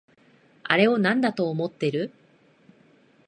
あれをなんだと思ってる？